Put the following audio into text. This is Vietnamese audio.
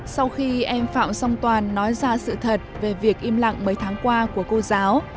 sau khi em phạm song toàn nói ra sự thật về việc im lặng mấy tháng qua của cô giáo